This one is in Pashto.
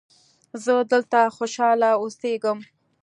زه دلته خوشحاله اوسیږم.